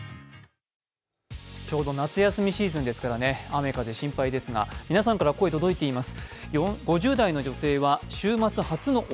ちょうど夏休みシーズンですから雨・風心配ですが、皆さんから声届いています。